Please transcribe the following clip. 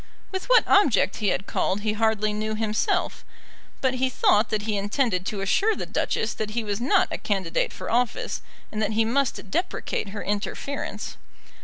With what object he had called he hardly knew himself; but he thought that he intended to assure the Duchess that he was not a candidate for office, and that he must deprecate her interference.